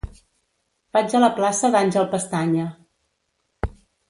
Vaig a la plaça d'Àngel Pestaña.